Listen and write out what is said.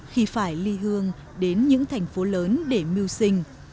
khi phải ly hương đến những thành phố lớn để mưu sinh